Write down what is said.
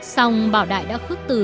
xong bảo đại đã khước từ